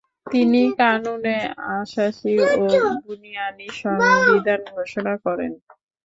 তিনি কানুনে আসাসী বা বুনিয়ানি সংবিধান ঘোষণা করেন।